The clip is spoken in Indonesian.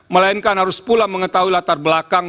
melainkan harus pula mengetahui latar belakang